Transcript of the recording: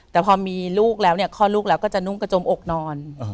แต่พอมีลูกแล้วเนี่ยคลอดลูกแล้วก็จะนุ่งกระจมอกนอน